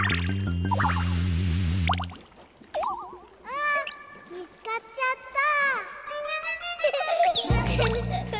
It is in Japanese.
あっみつかっちゃった！